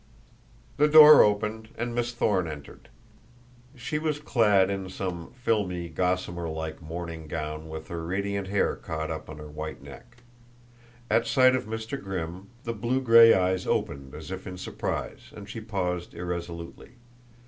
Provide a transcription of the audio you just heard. The door opened, and Miss Thorne entered. She was clad in some filmy, gossamer like morning gown with her radiant hair caught up on her white neck. At sight of Mr. Grimm the blue gray eyes opened as if in surprise, and she paused irresolutely.